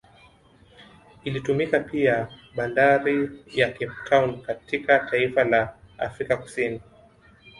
Ilitumika pia Bnadari ya Cape Town katika taifa la Afrika Kusini